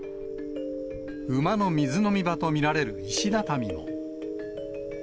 馬の水飲み場と見られる石畳も。